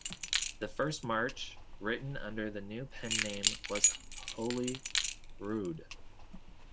The first march written under the new pen name was "Holyrood".